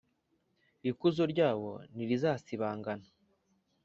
ikuzo ryabo ntirizasibangana.